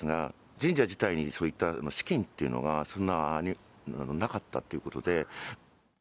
神社自体にそういった資金っていうのがそんなになかったというこ